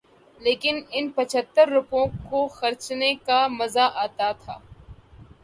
لیکن ان پچھتر روپوں کو خرچنے کا مزہ آتا تھا۔